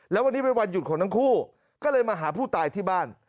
แล้ววันนี้เป็นวันหยุดของทั้งคู่ก็เลยมาหาผู้ตายที่บ้าน